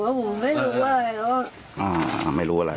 ไม่ต้องหาผมผมไม่รู้อะไร